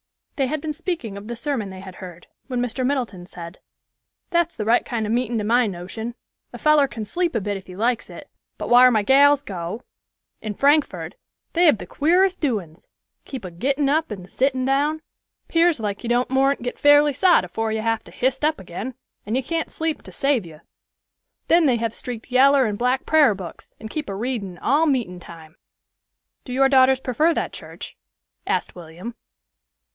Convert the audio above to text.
They had been speaking of the sermon they had heard, when Mr. Middleton said, "That's the right kind of meetin' to my notion. A feller can sleep a bit if he feels like it; but whar my gals go, in Frankford, they have the queerest doin's—keep a gittin' up and sittin' down; 'pears like you don't moren't git fairly sot afore you have to hist up again, and you can't sleep to save you. Then they have streaked yaller and black prar books and keep a readin' all meetin' time." "Do your daughters prefer that church?" asked William.